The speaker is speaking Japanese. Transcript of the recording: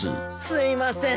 すいません。